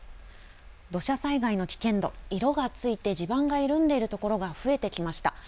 土砂災害の危険度、色がついて地盤が緩んでいる所が増えてきました。